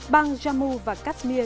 băng jammu và kashmir